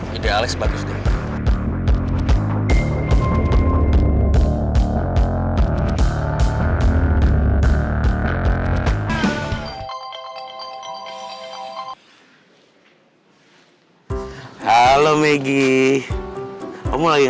gue kalah gara gara dicurangin